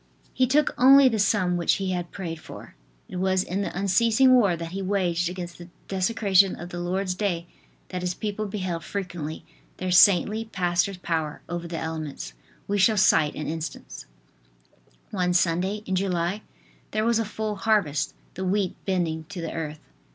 He took only the sum which he had prayed for." It was in the unceasing war that he waged against the desecration of the Lord's day that his people beheld frequently their saintly pastor's power over the elements. We shall cite an instance: One Sunday in July there was a full harvest, the wheat bending to the earth.